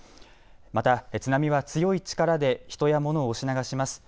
また津波は強い力で人や物を押し流します。